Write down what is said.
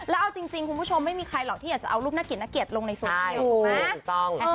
แต่เอาจริงคุณผู้ชมไม่มีใครหรอกที่อยากจะเอารูปนักเกลียดลงในโซเทียมใช่ไหม